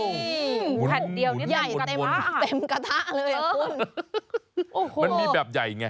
นี่แผ่นเดียวนิดหนึ่งบนคุณมันมีแบบใหญ่ไง